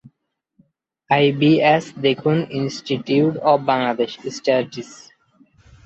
IBS দেখুন institute of Bangladesh studies.